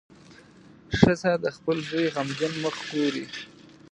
ښځه د خپل زوی غمجن مخ وګوره.